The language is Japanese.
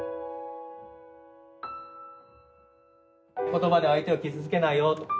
言葉で相手を傷つけないよと。